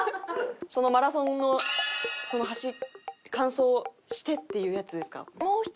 そのマラソンの完走をしてっていうやつですか？